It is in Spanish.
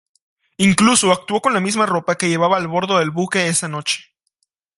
Incluso actuó con la misma ropa que llevaba a bordo del buque esa noche.